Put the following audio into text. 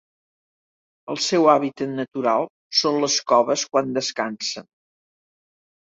El seu hàbitat natural són les coves quan descansen.